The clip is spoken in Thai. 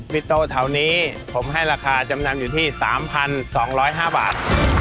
ิโตแถวนี้ผมให้ราคาจำนำอยู่ที่๓๒๐๕บาท